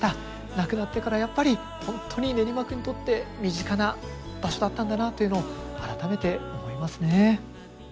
なくなってからやっぱり本当に練馬区にとって身近な場所だったんだなっていうのを改めて思いますね。